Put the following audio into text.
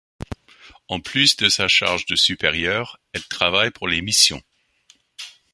En plus de sa charge de supérieure, elle travaille pour les missions.